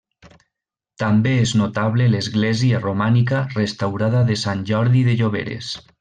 També és notable l'església romànica restaurada de Sant Jordi de Lloberes.